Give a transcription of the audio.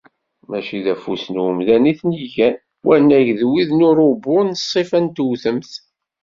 Mačči d afus n umdan i ten-igan, wanag d wid n urubu s ssifa n tewtemt.